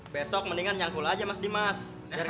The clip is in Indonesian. besok mendingan nyangkul aja mas dimas